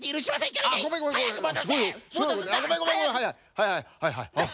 はいはいはいはい。